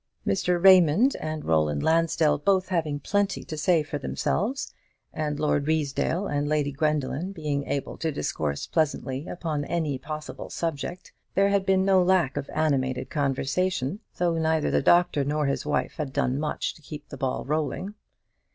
Mr. Raymond and Roland Lansdell both having plenty to say for themselves, and Lord Ruysdale and Lady Gwendoline being able to discourse pleasantly upon any possible subject, there had been no lack of animated conversation, though neither the doctor nor his wife had done much to keep the ball rolling.